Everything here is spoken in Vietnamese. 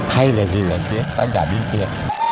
hay là gì ở phía khán giả bên kia